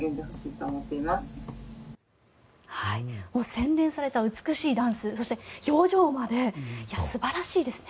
洗練された美しいダンスそして、表情まで素晴らしいですね。